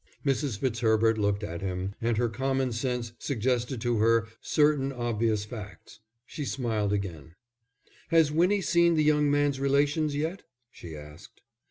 Mrs. Fitzherbert looked at him, and her common sense suggested to her certain obvious facts. She smiled again. "Has Winnie seen the young man's relations yet?" she asked.